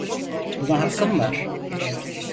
Buna hakkım var.